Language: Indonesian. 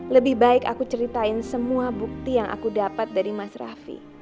lebih baik aku ceritain semua bukti yang aku dapat dari mas raffi